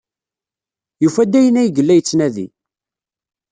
Yufa-d ayen ay yella yettnadi.